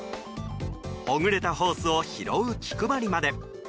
ほぐれたホースを拾う気配りまで。